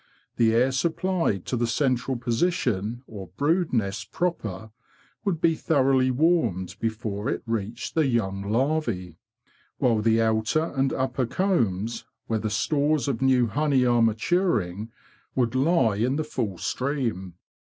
The air supplied to the central portion, or brood nest proper, would be thoroughly warmed before it reached the young larve, while the outer and upper combs, where the stores of new honey are maturing, would lie in the full stream.